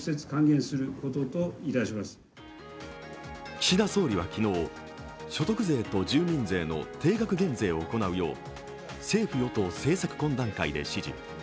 岸田総理は昨日、所得税と住民税の定額減税を行うよう政府・与党政策懇談会で指示。